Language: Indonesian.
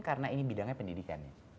karena ini bidangnya pendidikannya